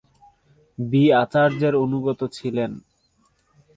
B আচার্যের অনুগত ছিলেন।